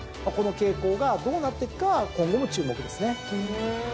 この傾向がどうなっていくかは今後の注目ですね。